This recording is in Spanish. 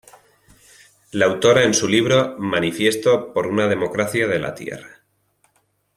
La autora en su libro "Manifiesto por una democracia de la tierra.